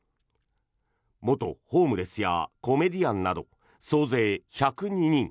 元ホームレスやコメディアンなど総勢１０２人。